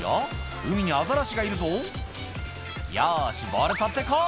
海にアザラシがいるぞ「よしボール取って来い！」